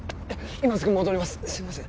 今すぐ戻ります